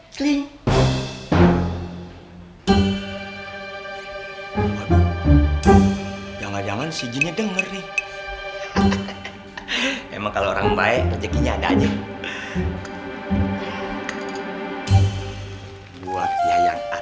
hai klik yang ada manis jenis dengerin emang kalau orang baik rezekinya ada aja buatnya yang